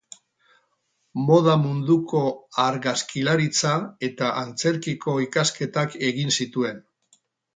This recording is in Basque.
Moda munduko argazkilaritza eta antzerkiko ikasketak egin zituen.